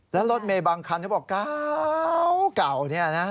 แล้วรถเมย์บางคันเขาบอกกาวเก่าเนี่ยนะ